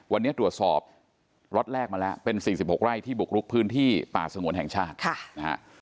วันนี้ตรวจสอบล็อตแรกมาแล้วเป็น๔๖ไร่ที่บุกลุกพื้นที่ป่าสงวนแห่งชาตินะฮะ